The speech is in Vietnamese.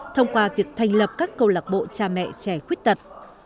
thông qua việc thành lập các câu lạc bộ cha mẹ trẻ khuyết tật